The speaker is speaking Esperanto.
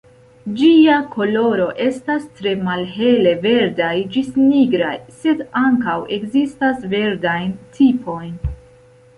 Ĝia koloro estas tre malhele verdaj ĝis nigraj, sed ankaŭ ekzistas verdajn tipojn.